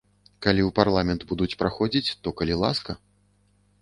Калі ў парламент будуць праходзіць, то калі ласка.